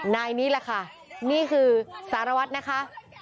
นายนี้แหละค่ะนี่คือสารวัตรนะคะ